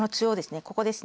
ここですね。